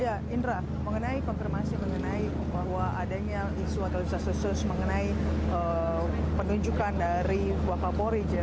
ya indra mengenai konfirmasi mengenai bahwa adanya isu atau disasus mengenai penunjukan dari wakapori